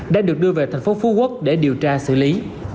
đã được đưa về thành phố phú quốc để điều tra xử lý